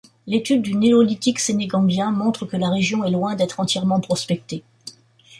L’étude du Néolithique sénégambien montre que la région est loin d’être entièrement prospectée.